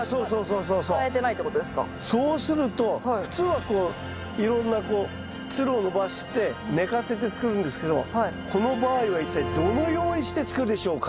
そうすると普通はこういろんなこうつるを伸ばして寝かせて作るんですけどこの場合は一体どのようにして作るでしょうか？